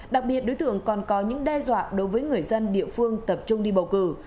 đặc biệt đối tượng còn có những đe dọa đối với người dân địa phương tập trung đi bầu cử